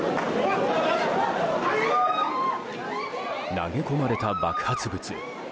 投げ込まれた爆発物。